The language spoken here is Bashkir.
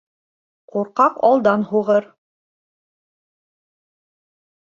Ҡурҡаҡ алдан һуғыр.